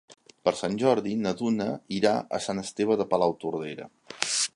Per Sant Jordi na Duna irà a Sant Esteve de Palautordera.